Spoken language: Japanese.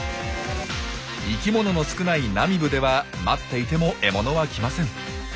生きものの少ないナミブでは待っていても獲物は来ません。